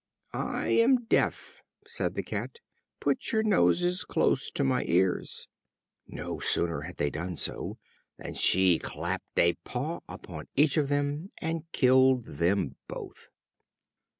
"I am deaf," said the Cat. "Put your noses close to my ears." No sooner had they done so, than she clapped a paw upon each of them, and killed them both.